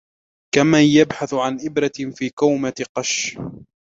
كَمن يبحث عن إبرة في كومة قَشّ.